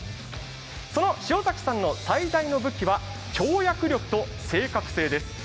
その塩崎さんの最大の武器は跳躍力と正確性です。